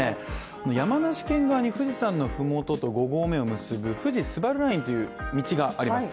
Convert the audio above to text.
山梨県側の富士山の麓と５合目を結ぶ富士スバルラインという道があります